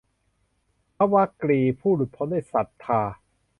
พระวักกลิ ผู้หลุดพ้นด้วยศรัทธา